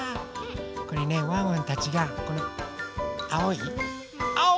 これねワンワンたちがこのあおいあおくんと